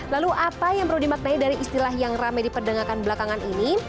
lalu apa yang perlu dimaknai dari istilah yang rame diperdengarkan belakangan ini